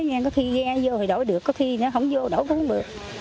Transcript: nếu có thi ghe vô thì đổi được có thi nó không vô đổi cũng không được